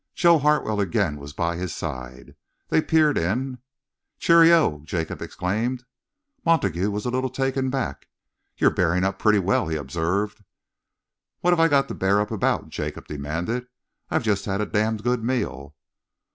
Joe Hartwell again was by his side. They peered in. "Cheerio!" Jacob exclaimed. Montague was a little taken aback. "You're bearing up pretty well," he observed. "What have I got to bear up about?" Jacob demanded. "I've just had a damned good meal."